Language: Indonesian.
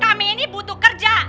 kami ini butuh kerja